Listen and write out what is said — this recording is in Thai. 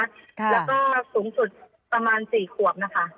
แล้วก็สูงสุดประมาณ๔ขวบนะคะ